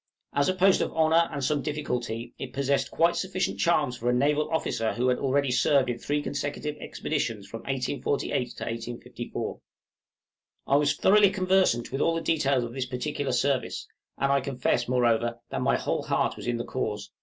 As a post of honor and some difficulty, it possessed quite sufficient charms for a naval officer who had already served in three consecutive expeditions from 1848 to 1854. I was thoroughly conversant with all the details of this peculiar service; and I confess, moreover, that my whole heart was in the cause.